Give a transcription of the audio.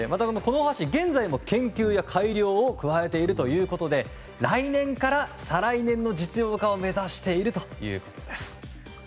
このお箸、現在も研究や改良を加えているということで来年から再来年の実用化を目指しているということです。